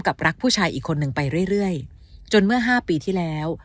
รักผู้ชายอีกคนหนึ่งไปเรื่อยจนเมื่อห้าปีที่แล้ว